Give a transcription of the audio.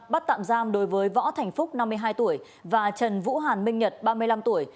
bắt tạm giam đối với võ thành phúc năm mươi hai tuổi và trần vũ hàn minh nhật ba mươi năm tuổi